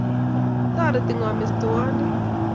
Toreti ng'o Mestowondet